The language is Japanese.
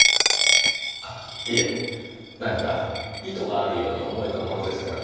あっいえ何か意図があるように思えたものですから。